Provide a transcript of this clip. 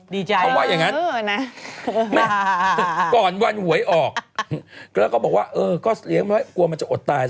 คำว่าอย่างนั้นก่อนวันหวยออกแล้วก็บอกว่าเออก็เลี้ยงไว้กลัวมันจะอดตาย